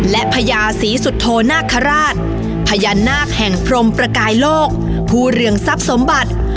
และพญาศรีสุโธนาคาราชพญานาคแห่งพรมประกายโลกภูเรืองทรัพย์สมบัติ